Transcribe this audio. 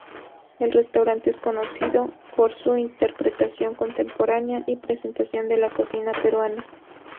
El restaurante es conocido por su interpretación contemporánea y presentación de la cocina peruana.